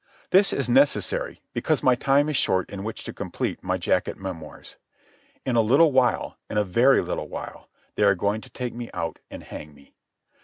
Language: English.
This is necessary, because my time is short in which to complete my jacket memoirs. In a little while, in a very little while, they are going to take me out and hang me.